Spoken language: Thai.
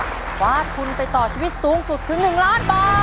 สวัสดีครับ